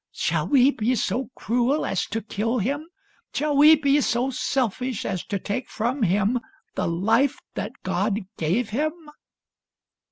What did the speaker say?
Shall we be so cruel as to kill him .'' Shall we be so selfish as to take from him the life that God gave him